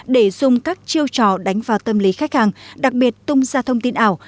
để dùng các chiêu trò đánh vào tâm lý khách hàng đặc biệt tung ra thông tin ảo